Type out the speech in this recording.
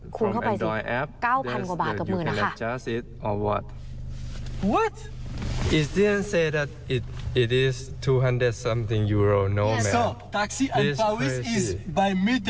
คุณเข้าไปสิ๙๐๐๐กว่าบาทกับมือนะคะ